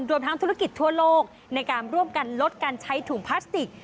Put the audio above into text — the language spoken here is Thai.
รวมทั้งธุรกิจทั่วโลกในการร่วมกันลดการใช้ถุงพลาสติก